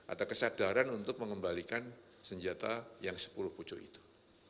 ada kesadaran untuk mengembalikan senjata yang sepuluh pucuk itu